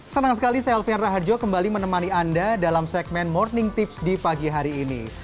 senang sekali saya alfian raharjo kembali menemani anda dalam segmen morning tips di pagi hari ini